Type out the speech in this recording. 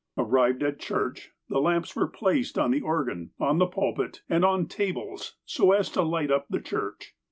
Arrived at church, the lamps were placed on the organ, on the pulpit, and on tables so as to light up the church.